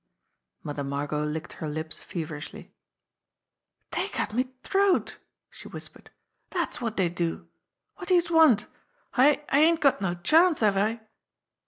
Mother Margot licked her lips feverishly. "Dey'd cut me t'roat !" she whispered. "Dat's wot dey'd do. Wot do youse want? I I ain't got no chance, have I?"